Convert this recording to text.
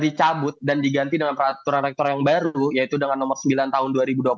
dicabut dan diganti dengan peraturan rektor yang baru yaitu dengan nomor sembilan tahun dua ribu dua puluh